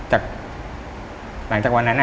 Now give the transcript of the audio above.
หลังจากวันนั้น